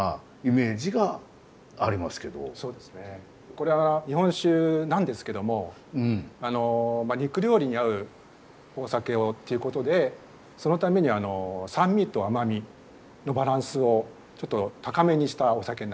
これは日本酒なんですけども肉料理に合うお酒をっていうことでそのために酸味と甘みのバランスをちょっと高めにしたお酒になりまして。